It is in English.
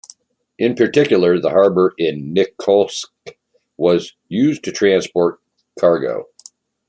In particular, the harbor in Nikolsk was used to transport cargo.